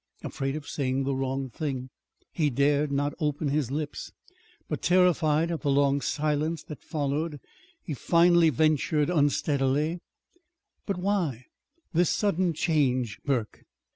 Afraid of saying the wrong thing, he dared not open his lips. But, terrified at the long silence that followed, he finally ventured unsteadily: "But why this sudden change, Burke?"